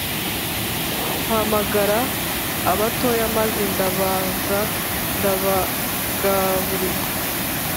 Mpamagara abatoya maze ndabanza ndabagaburira